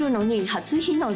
初日の出